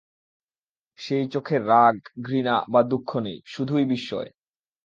সেই চোখে রাগ, ঘৃণা বা দুঃখ নেই, শুধুই বিস্ময়।